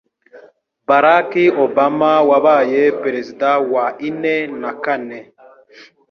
Barack Obama wabaye Perezida wa ine na kane